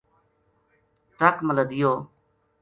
ٹرک ما لدیو